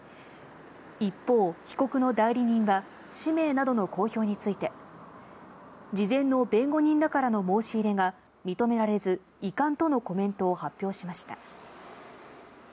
一方、被告の代理人は氏名などの公表について、事前の弁護人らからの申し入れが認められず、遺憾とのコメントを発表しました。